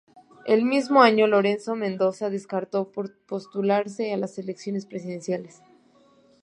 El mismo año Lorenzo Mendoza descartó postularse a las elecciones presidenciales.